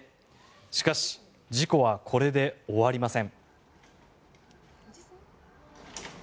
しかし事故はこれで終わりません。